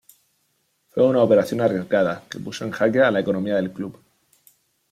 Fue una operación arriesgada que puso en jaque a la economía del club.